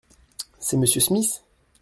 C’est Monsieur Smith ?